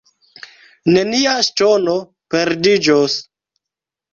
Nenia ŝtono perdiĝos.